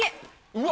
うわ！